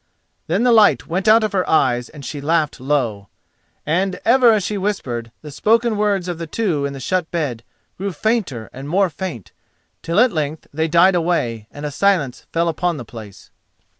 Then the light went out of her eyes and she laughed low. And ever as she whispered, the spoken words of the two in the shut bed grew fainter and more faint, till at length they died away, and a silence fell upon the place.